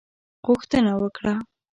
غوښتنه وکړه.